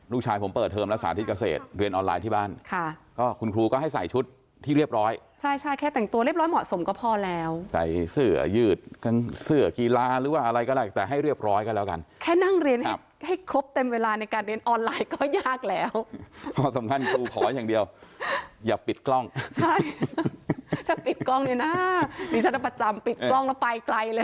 ลูกชายผมเปิดเทอมแล้วศาลทิศเกษตรเรียนออนไลน์ที่บ้านคุณครูก็ให้ใส่ชุดที่เรียบร้อยใช่ใช่แค่แต่งตัวเรียบร้อยเหมาะสมก็พอแล้วใส่เสื้อยืดเสื้อกีฬาหรือว่าอะไรก็ได้แต่ให้เรียบร้อยก็แล้วกันแค่นั่งเรียนให้ครบเต็มเวลาในการเรียนออนไลน์ก็ยากแล้วพอสำคัญครูขออย่างเดียวอย่าปิดกล้องใช่